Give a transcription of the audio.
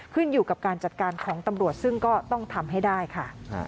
ขึ้นอยู่กับการจัดการของตำรวจซึ่งก็ต้องทำให้ได้ค่ะ